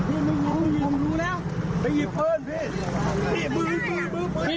บ๊วยผมรู้แล้วไอ้หญิงพืชเพิ้ญพี่